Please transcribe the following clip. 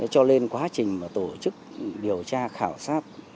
cho nên quá trình mà tổ chức điều tra khảo sát